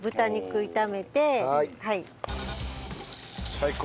最高！